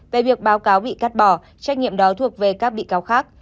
về việc báo cáo bị cắt bỏ trách nhiệm đó thuộc về các bị cáo khác